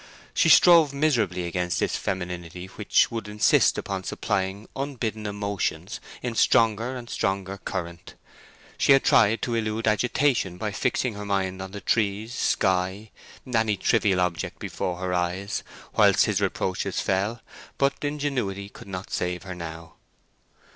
She strove miserably against this femininity which would insist upon supplying unbidden emotions in stronger and stronger current. She had tried to elude agitation by fixing her mind on the trees, sky, any trivial object before her eyes, whilst his reproaches fell, but ingenuity could not save her now.